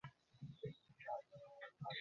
বিজিত এলাকা হবে আপনারই।